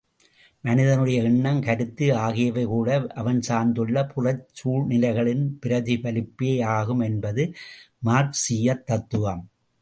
மனிதனுடைய எண்ணம், கருத்து ஆகியவை கூட அவன் சார்ந்துள்ள புறச் சூழ்நிலைகளின் பிரதிபலிப்பேயாகும் என்பது மார்க்சீயத் தத்துவம்.